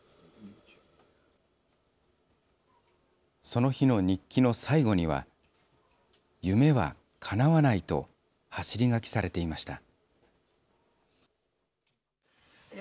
その日の日記の最後には、夢はかなわないと走り書きされていました。